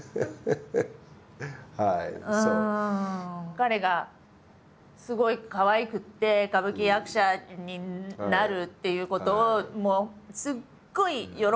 彼がすごいかわいくて歌舞伎役者になるっていうことをもうすっごい喜んでたし。